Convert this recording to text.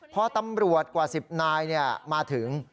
พอตำรวจกว่า๑๐นายมาถึง